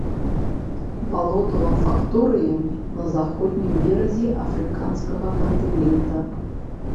Валодала факторыямі на заходнім беразе афрыканскага кантынента.